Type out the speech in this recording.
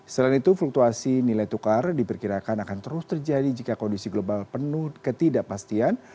selain itu fluktuasi nilai tukar diperkirakan akan terus terjadi jika kondisi global penuh ketidakpastian